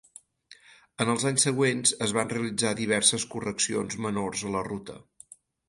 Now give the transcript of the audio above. En els anys següents es van realitzar diverses correccions menors a la ruta.